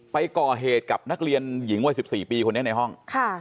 ไปก่อเหตุกับนักเรียนหญิงวัย๑๔ปีคนนี้ในห้อง